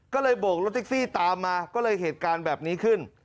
ก็เลยโบกรถแท็กซี่ตามมาก็เลยเหตุการณ์แบบนี้ขึ้น